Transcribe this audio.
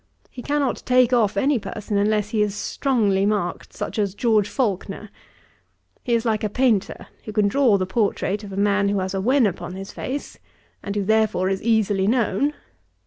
He cannot take off any person unless he is strongly marked, such as George Faulkner. He is like a painter, who can draw the portrait of a man who has a wen upon his face, and who, therefore, is easily known.